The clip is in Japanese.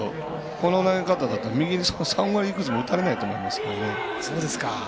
この投げ方だと、右に３割いくつも打たれないと思いますけどね。